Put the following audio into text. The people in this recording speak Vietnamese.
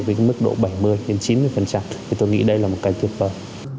với mức độ bảy mươi chín mươi thì tôi nghĩ đây là một cái tuyệt vời